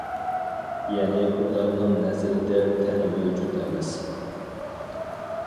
يەنى ئۇلارنىڭ نەزىرىدە، تەن مەۋجۇت ئەمەس.